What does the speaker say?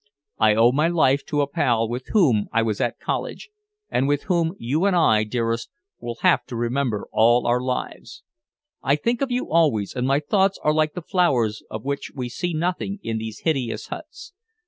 I owe my life to a pal with whom I was at college, and whom you and I, dearest, will have to remember all our lives. I think of you always, and my thoughts are like the flowers of which we see nothing in these hideous huts.